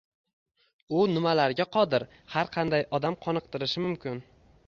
U nimalarga qodir? "Har qanday" odam qoniqtirishi mumkin